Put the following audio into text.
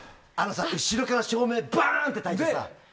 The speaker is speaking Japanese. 後ろから照明バーンとたいてさ。